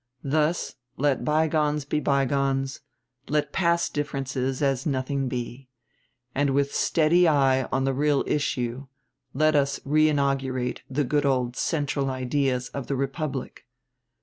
Thus let bygones be bygones; let past differences as nothing be; and with steady eye on the real issue, let us reinaugurate the good old "central ideas" of the republic.